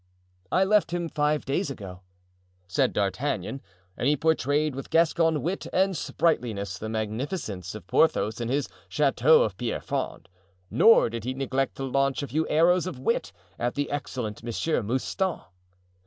"I left him five days ago," said D'Artagnan, and he portrayed with Gascon wit and sprightliness the magnificence of Porthos in his Chateau of Pierrefonds; nor did he neglect to launch a few arrows of wit at the excellent Monsieur Mouston.